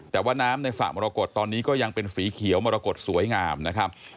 แต่ว่าน้ำในสระมรกฏตอนนี้ก็ยังเป็นสีเขียวมรกฏสวยงามนะครับ